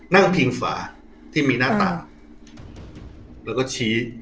นั่งพิงฝาที่มีหน้าตาแล้วก็ชี้